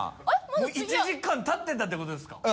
もう１時間たってたってことですか？